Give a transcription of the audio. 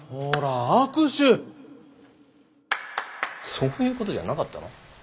そういうことじゃなかったの？